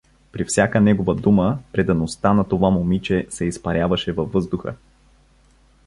При всяка негова дума предаността на това момиче се изпаряваше във въздуха.